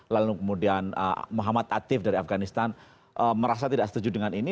lalu kemudian muhammad atif dari afganistan merasa tidak setuju dengan ini